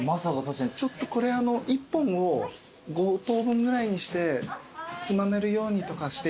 ちょっと１本を５等分ぐらいにしてつまめるようにとかして。